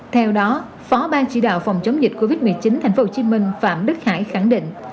theo đó phó ban chỉ đạo phòng chống dịch covid một mươi chín tp hcm phạm đức khải khẳng định